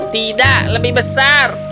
tidak lebih besar